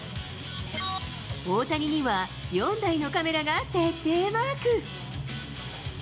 大谷には４台のカメラが徹底マーク。